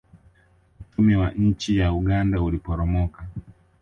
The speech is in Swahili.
uchumi wa nchi ya uganda uliporomoka